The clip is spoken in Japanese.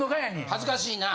恥ずかしいな。